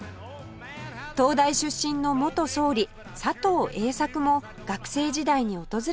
東大出身の元総理佐藤榮作も学生時代に訪れたそうです